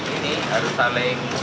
ini harus saling